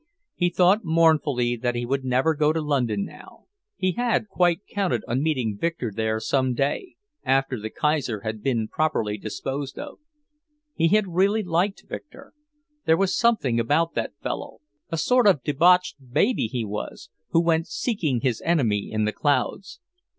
He thought mournfully that he would never go to London now. He had quite counted on meeting Victor there some day, after the Kaiser had been properly disposed of. He had really liked Victor. There was something about that fellow... a sort of debauched baby, he was, who went seeking his enemy in the clouds.